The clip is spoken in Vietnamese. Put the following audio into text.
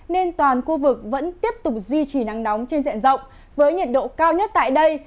nên toàn khu vực vẫn tiếp tục duy trì nắng nóng trên diện rộng với nhiệt độ cao nhất tại đây